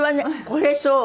これそう？